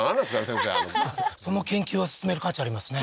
先生その研究は進める価値ありますね